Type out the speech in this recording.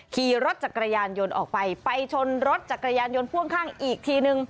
ขี่รถจักรยานยนต์ออกไปไปชนรถจักรยานยนต์พ่วงข้างอีกทีนึง